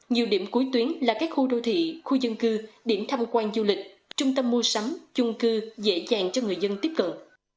nhiều điểm cuối tuyến là các khu đô thị khu dân cư điểm tham quan du lịch trung tâm mua sắm chung cư dễ dàng cho người dân tiếp cận